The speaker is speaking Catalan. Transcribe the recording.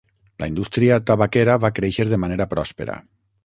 La indústria tabaquera va créixer de manera pròspera.